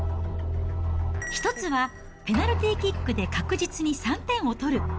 １つはペナルティーキックで確実に３点を取る。